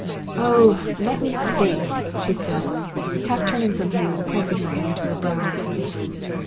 "Oh! let me think," she said, half turning from him and pressing her hand to her brow.